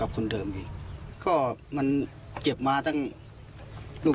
อันนี้ไม่เกี่ยวกับวันที่๑๔ครับ